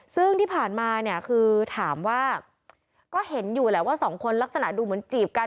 ซึ่งที่ผ่านมาเนี่ยคือถามว่าก็เห็นอยู่แหละว่าสองคนลักษณะดูเหมือนจีบกัน